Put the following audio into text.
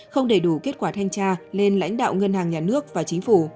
không đầy đủ kết quả thanh tra lên lãnh đạo ngân hàng nhà nước và chính phủ